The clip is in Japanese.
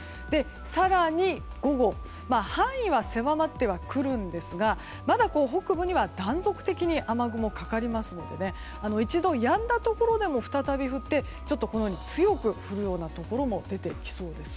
更に午後範囲は狭まってはくるんですがまだ北部には断続的に雨雲がかかりますので一度やんだところでも再び降って強く降るようなところも出てきそうです。